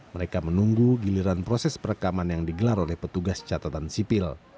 mereka menunggu giliran proses perekaman yang digelar oleh petugas catatan sipil